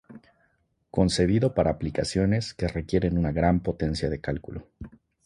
Concebido para aplicaciones que requieren una gran potencia de cálculo.